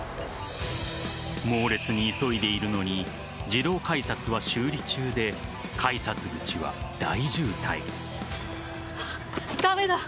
猛烈に急いでいるのに自動改札は修理中で改札口は大渋滞。